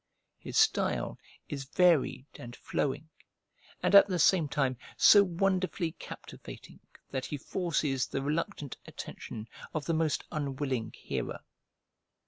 His style is varied and flowing, and at the same time so wonderfully captivating that he forces the reluctant attention of the most unwilling hearer.